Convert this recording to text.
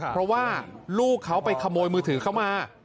เพราะว่าลูกเขาไปขโมยมือถือเขามา